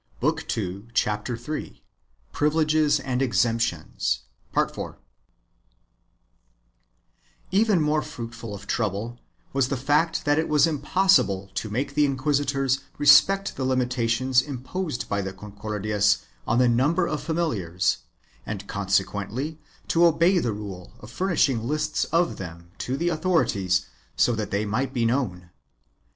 5, n. 2, fol. 76. CHAP. Ill] BEARING ARMS 405 Even more fruitful of trouble was the fact that it was impos sible to make the inquisitors respect the limitations imposed by the Concordias on the number of familiars and consequently to obey the rule of furnishing lists of them to the authorities so that they might be known.